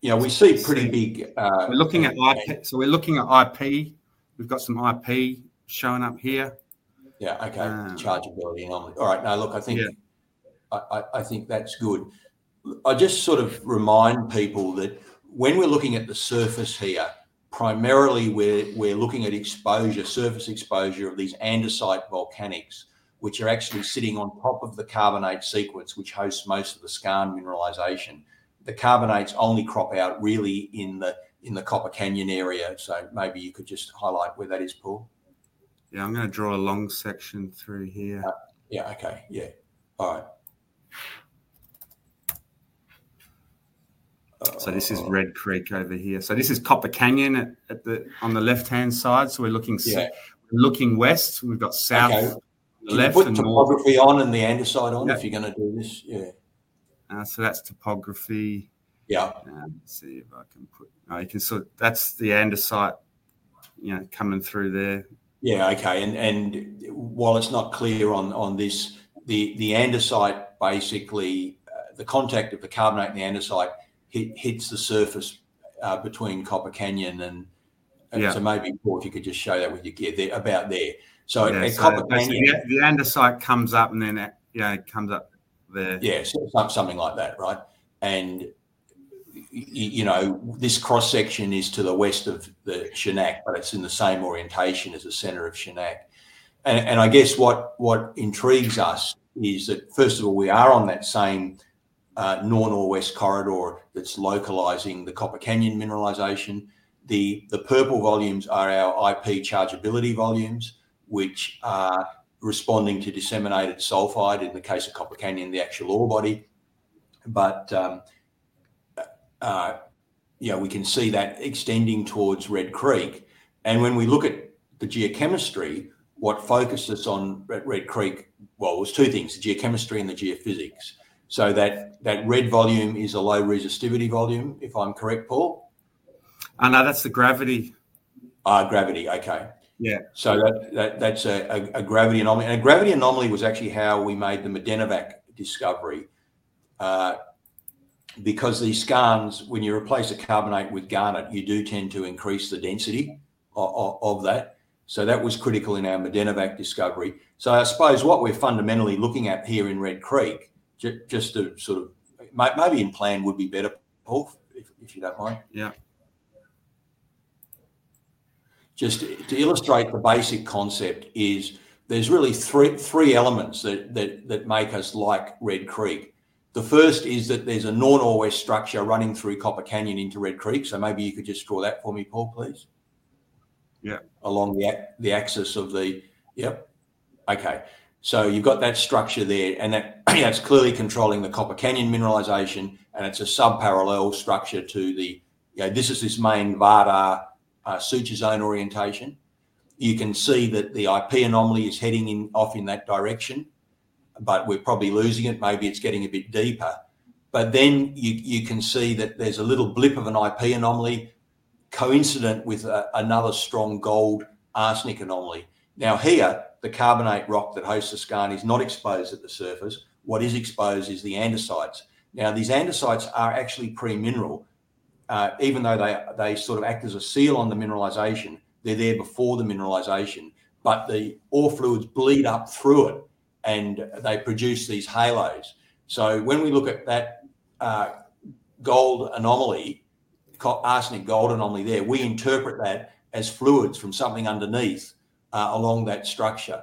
We see pretty big. We're looking at IP. We're looking at IP. We've got some IP showing up here. Yeah. Okay. Chargeability on it. All right. No, look, I think that's good. I just sort of remind people that when we're looking at the surface here, primarily we're looking at surface exposure of these andesite volcanics, which are actually sitting on top of the carbonate sequence, which hosts most of the skarn mineralization. The carbonates only crop out really in the Copper Canyon area. Maybe you could just highlight where that is, Paul. Yeah. I'm going to draw a long section through here. Yeah. Okay. Yeah. All right. This is Red Creek over here. This is Copper Canyon on the left-hand side. We're looking west. We've got south on the left and north. Put the topography on and the andesite on if you're going to do this. Yeah. That's topography. Let's see if I can put that's the andesite coming through there. Yeah. Okay. While it's not clear on this, the andesite, basically, the contact of the carbonate and the andesite hits the surface between Copper Canyon and so maybe, Paul, if you could just show that with your gear about there. At Copper Canyon. Yeah. The andesite comes up and then it comes up there. Yeah. Something like that, right? This cross-section is to the west of the Shanac, but it's in the same orientation as the center of Shanac. I guess what intrigues us is that, first of all, we are on that same north-northwest corridor that's localizing the Copper Canyon mineralization. The purple volumes are our IP chargeability volumes, which are responding to disseminated sulfide in the case of Copper Canyon, the actual ore body. We can see that extending towards Red Creek. When we look at the geochemistry, what focuses on Red Creek, it was two things, the geochemistry and the geophysics. That red volume is a low resistivity volume, if I'm correct, Paul? No, that's the gravity. Gravity. Okay. That is a gravity anomaly. Gravity anomaly was actually how we made the Medenovac discovery because these skarns, when you replace a carbonate with garnet, you do tend to increase the density of that. That was critical in our Medenovac discovery. I suppose what we are fundamentally looking at here in Red Creek, just to sort of maybe in plan would be better, Paul, if you do not mind. Yeah. Just to illustrate the basic concept is there's really three elements that make us like Red Creek. The first is that there's a north-northwest structure running through Copper Canyon into Red Creek. Maybe you could just draw that for me, Paul, please, along the axis of the, yep. Okay. You've got that structure there. That's clearly controlling the Copper Canyon mineralization. It's a subparallel structure to this main Vardar Suture Zone orientation. You can see that the IP anomaly is heading off in that direction. We're probably losing it. Maybe it's getting a bit deeper. You can see that there's a little blip of an IP anomaly coincident with another strong gold arsenic anomaly. Here, the carbonate rock that hosts the skarn is not exposed at the surface. What is exposed is the andesites. Now, these andesites are actually premineral. Even though they sort of act as a seal on the mineralization, they're there before the mineralization. The ore fluids bleed up through it, and they produce these halos. When we look at that gold anomaly, arsenic gold anomaly there, we interpret that as fluids from something underneath along that structure.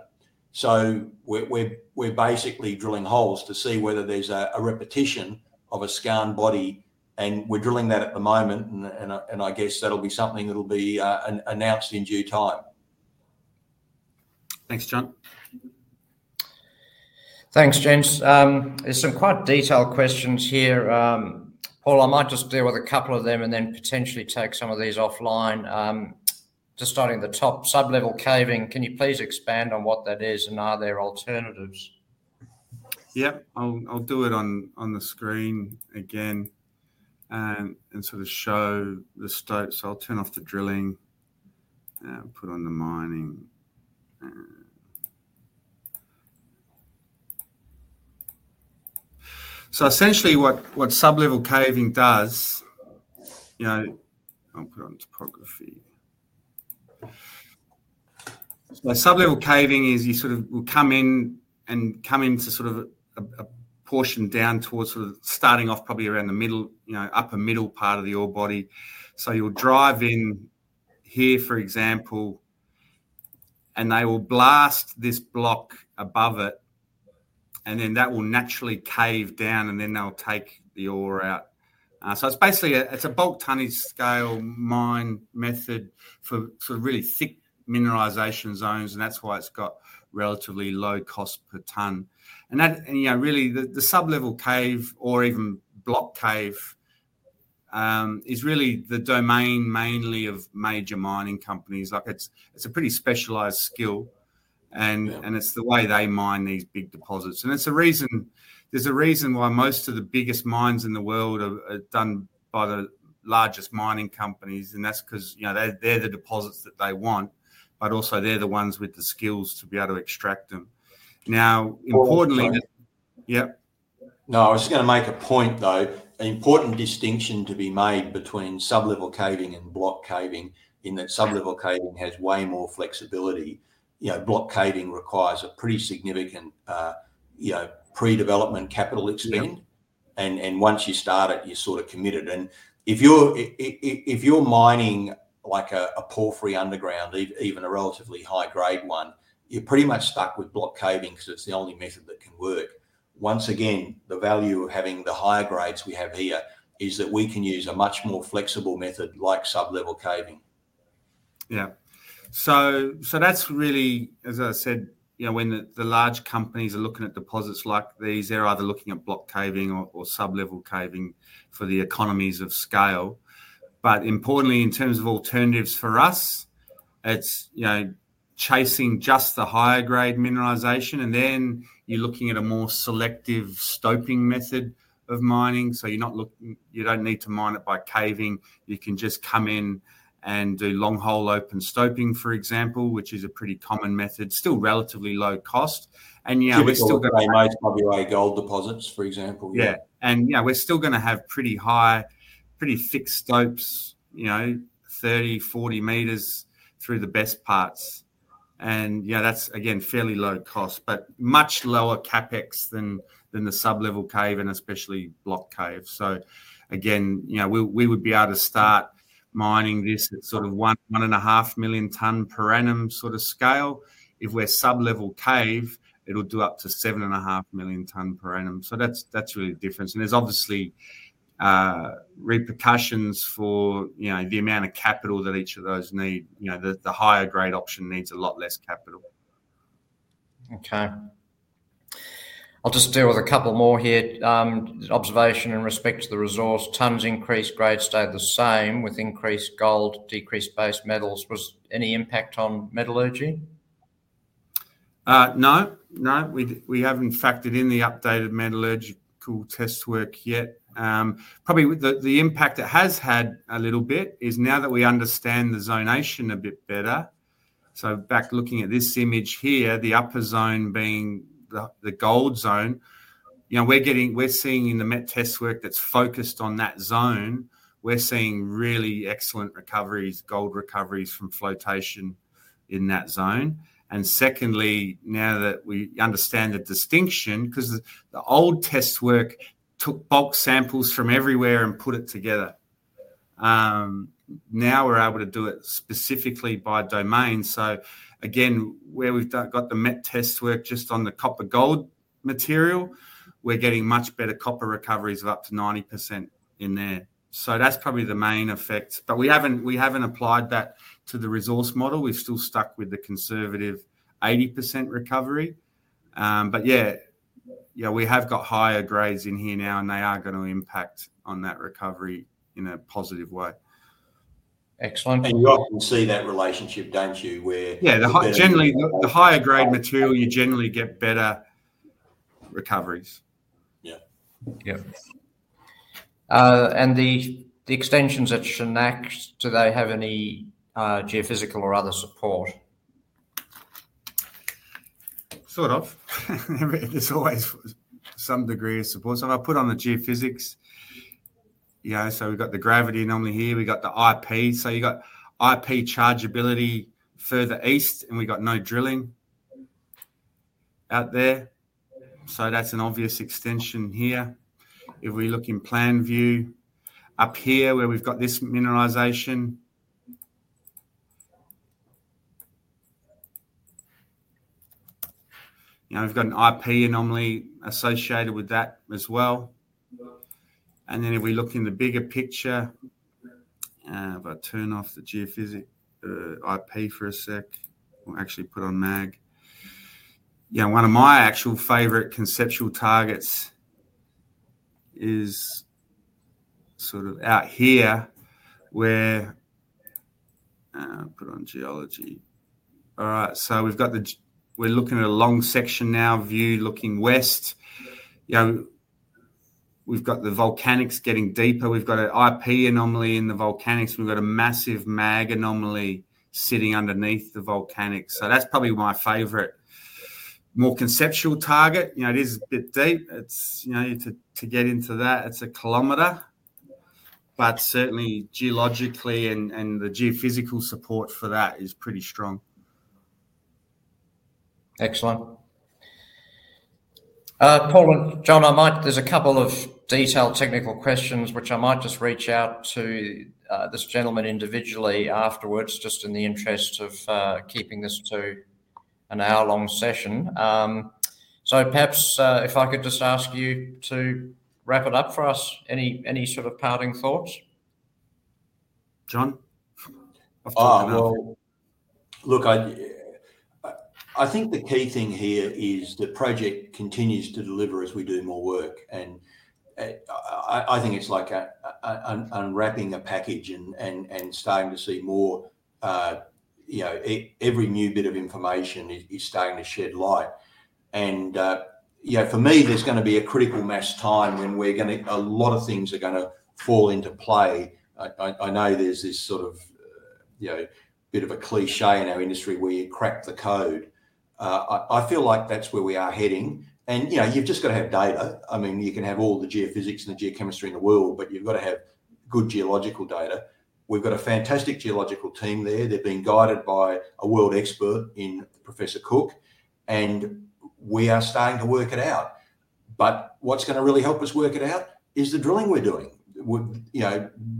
We're basically drilling holes to see whether there's a repetition of a skarn body. We're drilling that at the moment. I guess that'll be something that'll be announced in due time. Thanks, Jon. Thanks, Jon. There are some quite detailed questions here. Paul, I might just deal with a couple of them and then potentially take some of these offline. Just starting at the top, sub-level caving, can you please expand on what that is and are there alternatives? Yeah. I'll do it on the screen again and sort of show the states. I'll turn off the drilling and put on the mining. Essentially, what sub-level caving does—I'll put on topography. Sub-level caving is you sort of will come in and come into sort of a portion down towards sort of starting off probably around the upper middle part of the ore body. You'll drive in here, for example, and they will blast this block above it. That will naturally cave down, and then they'll take the ore out. It's basically a bulk-tonnage scale mine method for sort of really thick mineralization zones. That's why it's got relatively low cost per ton. Really, the sub-level cave or even block cave is really the domain mainly of major mining companies. It's a pretty specialized skill. It's the way they mine these big deposits. There's a reason why most of the biggest mines in the world are done by the largest mining companies. That's because they're the deposits that they want, but also they're the ones with the skills to be able to extract them. Now, importantly. Yeah. No, I was just going to make a point, though. An important distinction to be made between sub-level caving and block caving in that sub-level caving has way more flexibility. Block caving requires a pretty significant pre-development capital expend. Once you start it, you're sort of committed. If you're mining a porphyry underground, even a relatively high-grade one, you're pretty much stuck with block caving because it's the only method that can work. Once again, the value of having the higher grades we have here is that we can use a much more flexible method like sub-level caving. Yeah. That is really, as I said, when the large companies are looking at deposits like these, they are either looking at block caving or sub-level caving for the economies of scale. Importantly, in terms of alternatives for us, it is chasing just the higher-grade mineralization. Then you are looking at a more selective stoping method of mining. You do not need to mine it by caving. You can just come in and do long-hole open stoping, for example, which is a pretty common method, still relatively low cost. Yeah, we are still going to. To the most WA gold deposits, for example. Yeah. We're still going to have pretty high, pretty thick stopes, 30 m-40 m through the best parts. That's, again, fairly low cost, but much lower CapEx than the sub-level cave and especially block cave. We would be able to start mining this at sort of 1.5 million ton per annum sort of scale. If we're sub-level cave, it'll do up to 7.5 million ton per annum. That's really the difference. There are obviously repercussions for the amount of capital that each of those need. The higher-grade option needs a lot less capital. Okay. I'll just deal with a couple more here. Observation in respect to the resource. Tons increased, grades stayed the same with increased gold, decreased base metals. Was any impact on metallurgy? No. No. We haven't factored in the updated metallurgical test work yet. Probably the impact it has had a little bit is now that we understand the zonation a bit better. Back looking at this image here, the upper zone being the gold zone, we're seeing in the met test work that's focused on that zone, we're seeing really excellent recoveries, gold recoveries from flotation in that zone. Secondly, now that we understand the distinction, because the old test work took bulk samples from everywhere and put it together, now we're able to do it specifically by domain. Again, where we've got the met test work just on the copper-gold material, we're getting much better copper recoveries of up to 90% in there. That's probably the main effect. We haven't applied that to the resource model. We're still stuck with the conservative 80% recovery. Yeah, we have got higher grades in here now, and they are going to impact on that recovery in a positive way. Excellent. You often see that relationship, don't you, where? Yeah. Generally, the higher-grade material, you generally get better recoveries. Yeah. Yeah. The extensions at Shanac, do they have any geophysical or other support? Sort of. There's always some degree of support. If I put on the geophysics, we've got the gravity anomaly here. We've got the IP. You've got IP chargeability further east, and we've got no drilling out there. That's an obvious extension here. If we look in plan view up here where we've got this mineralization, we've got an IP anomaly associated with that as well. If we look in the bigger picture, if I turn off the geophysic IP for a sec, we'll actually put on mag. Yeah. One of my actual favorite conceptual targets is sort of out here where I'll put on geology. All right. We're looking at a long section now view looking west. We've got the volcanics getting deeper. We've got an IP anomaly in the volcanics. We've got a massive mag anomaly sitting underneath the volcanics. That is probably my favorite more conceptual target. It is a bit deep. To get into that, it is a kilometer. Certainly, geologically and the geophysical support for that is pretty strong. Excellent. Paul and Jon, there's a couple of detailed technical questions, which I might just reach out to this gentleman individually afterwards, just in the interest of keeping this to an hour-long session. Perhaps if I could just ask you to wrap it up for us, any sort of parting thoughts? I think the key thing here is the project continues to deliver as we do more work. I think it's like unwrapping a package and starting to see more. Every new bit of information is starting to shed light. For me, there's going to be a critical mass time when a lot of things are going to fall into play. I know there's this sort of bit of a cliché in our industry where you crack the code. I feel like that's where we are heading. You just got to have data. I mean, you can have all the geophysics and the geochemistry in the world, but you got to have good geological data. We've got a fantastic geological team there. They've been guided by a world expert in Professor Cooke. We are starting to work it out. What's going to really help us work it out is the drilling we're doing.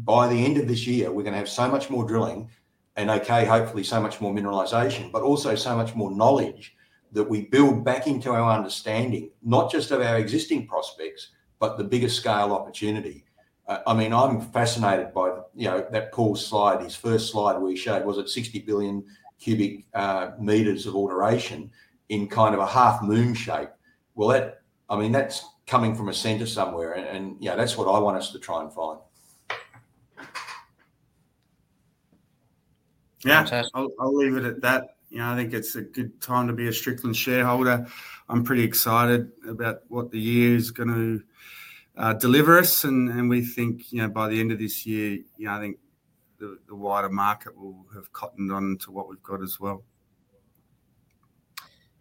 By the end of this year, we're going to have so much more drilling and, okay, hopefully so much more mineralization, but also so much more knowledge that we build back into our understanding, not just of our existing prospects, but the bigger scale opportunity. I mean, I'm fascinated by that Paul's slide. His first slide we showed was at 60 billion cubic m of alteration in kind of a half-moon shape. I mean, that's coming from a center somewhere. That's what I want us to try and find. Yeah. I'll leave it at that. I think it's a good time to be a Strickland shareholder. I'm pretty excited about what the year is going to deliver us. We think by the end of this year, I think the wider market will have cottoned on to what we've got as well.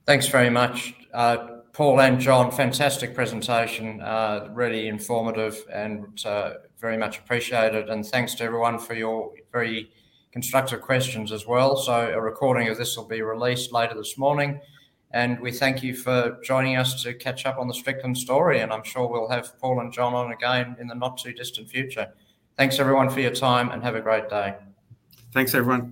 Thanks very much, Paul and Jon. Fantastic presentation. Really informative and very much appreciated. Thanks to everyone for your very constructive questions as well. A recording of this will be released later this morning. We thank you for joining us to catch up on the Strickland story. I'm sure we'll have Paul and Jon on again in the not-too-distant future. Thanks, everyone, for your time, and have a great day. Thanks, everyone.